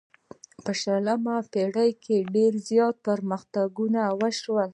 په شلمه پیړۍ کې ډیر زیات پرمختګونه وشول.